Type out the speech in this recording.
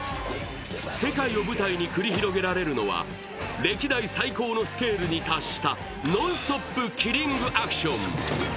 世界を舞台に繰り広げられるのは歴代最高のスケールに達したノンストップ・キリングアクション。